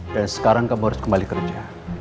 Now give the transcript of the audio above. dan sekarang kamu harus kembali kerja